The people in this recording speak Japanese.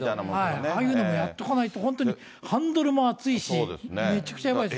ああいうのもやっとかないと、本当にハンドルも熱いし、めちゃくちゃやばいです。